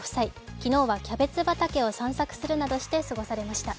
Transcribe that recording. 昨日はキャベツ畑を散策するなどして過ごされました。